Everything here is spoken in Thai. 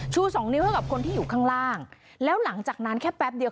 ชูสองนิ้วให้กับคนที่อยู่ข้างล่างแล้วหลังจากนั้นแค่แป๊บเดียว